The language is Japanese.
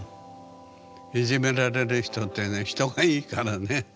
いじめられる人ってね人がいいからね